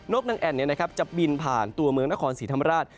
กนางแอ่นจะบินผ่านตัวเมืองนครศรีธรรมราช